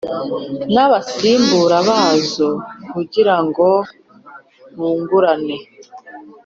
n abasimbura bazo kugirango bungurane